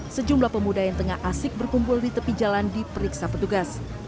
sejumlah pemuda yang tengah asik berkumpul di tepi jalan diperiksa petugas